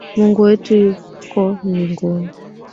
Mungu wetu yuko mbinguni